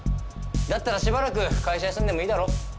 だったらしばらく会社休んでもいいだろ？